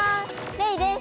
レイです。